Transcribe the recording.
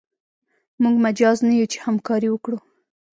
موږ مجاز نه یو چې همکاري وکړو.